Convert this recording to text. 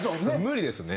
無理ですね。